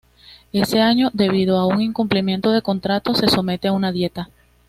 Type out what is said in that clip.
Ese año, debido a un incumplimiento de contrato, se somete a una dieta.